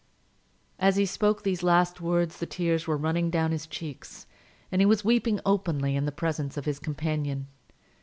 As he spoke these last words the tears were running down his cheeks, and he was weeping openly in presence of his companion.